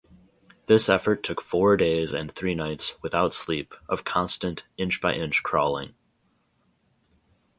This effort took four days and three nights, without sleep, of constant inch-by-inch crawling.